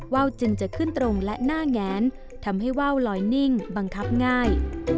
ว่าวจึงจะขึ้นตรงและหน้าแงนทำให้ว่าวลอยนิ่งบังคับง่าย